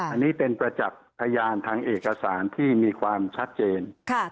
อันนี้เป็นประจักษ์พยานทางเอกสารที่มีความชัดเจน